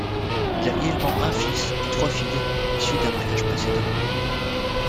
Il a également un fils et trois filles, issus d'un mariage précédent.